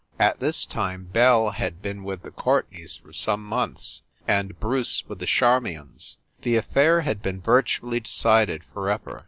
At this time Belle had been with the Courtenays for some months, and Bruce with the Charmions. The affair had been virtually decided forever.